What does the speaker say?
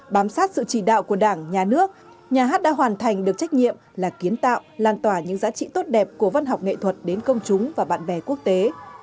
bám sát sự chỉ đạo của đảng nhà nước nhà hát đã hoàn thành được trách nhiệm là kiến tạo lan tỏa những giá trị tốt đẹp của văn học nghệ thuật đến công chúng và bạn bè quốc tế